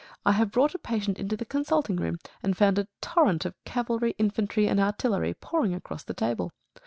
I have brought a patient into the consulting room, and found a torrent of cavalry, infantry, and artillery pouring across the table.